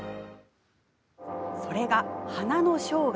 それが「花の生涯」